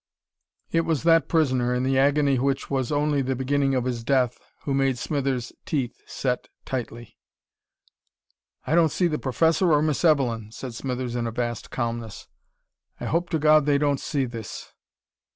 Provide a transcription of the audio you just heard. It was that prisoner, in the agony which was only the beginning of his death, who made Smithers' teeth set tightly. "I don't see the Professor or Miss Evelyn," said Smithers in a vast calmness. "I hope to Gawd they don't see this."